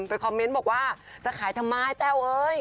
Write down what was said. คอมเมนต์บอกว่าจะขายทำไมแต้วเอ้ย